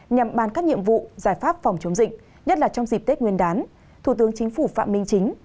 nhằm bàn các nhiệm vụ giải pháp phòng chống dịch nhất là trong dịp tết nguyên đán thủ tướng chính phủ phạm minh chính